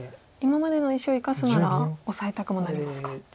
今までの石を生かすならオサえたくもなりますか。